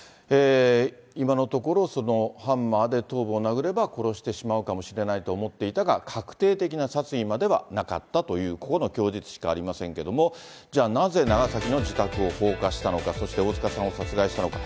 今のところ、そのハンマーで頭部を殴れば殺してしまうかもしれないと思っていたが、確定的な殺意まではなかったという、この供述しかありませんけれども、じゃあなぜ、長崎の自宅を放火したのか、そして大塚さんを殺害したのか。